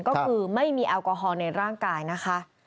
ก็คือไม่มีแอลกอฮอล์ในร่างกายนะคะ